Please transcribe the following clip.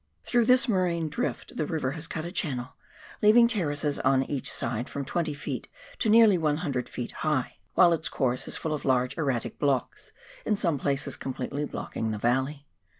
Through this morainic drift the river has cut a channel, leaving terraces on each side from 20 ft. to nearly 100 ft. high, while its KARANGAEUA DISTRICT. 257 course is full of large erratic blocks, in some places completely blocking the valley.